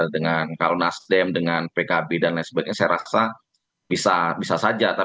dengan kalau nasdem dengan pkb dan lain sebagainya saya rasa bisa saja